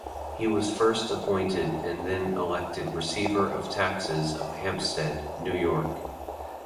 He was first appointed and then elected Receiver of Taxes of Hempstead, New York.